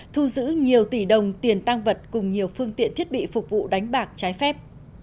thu giữ nhiều tỷ đồng tiền tăng vật cùng nhiều phương tiện thiết bị phục vụ đánh bạc trái phép